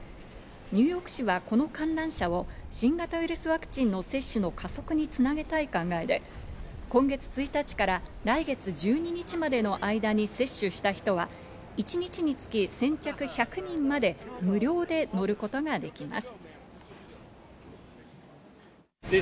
ニューヨーク市はこの観覧車を新型ウイルスワクチンの接種の加速につなげたい考えで、今月１日から来月１２日までの間に接種した人は一日につき先着１００人まで無料で乗ることができます。